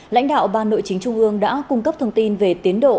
lãnh đạo ban nội chính trung ương đã cung cấp thông tin về tiến độ